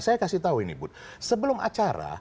saya kasih tahu ini bu sebelum acara